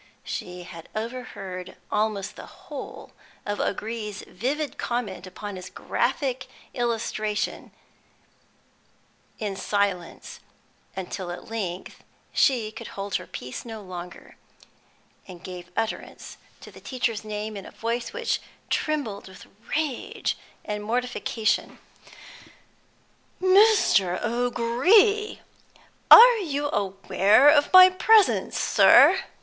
She had overheard almost the whole of O'Gree's vivid comment upon his graphic illustration, in silence, until at length she could hold her peace no longer, and gave utterance to the teacher's name in a voice which trembled with rage and mortification. "Mr. O'Gree! Are you aware of my presence, sir?"